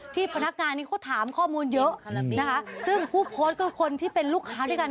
พนักงานนี้เขาถามข้อมูลเยอะนะคะซึ่งผู้โพสต์ก็คนที่เป็นลูกค้าด้วยกัน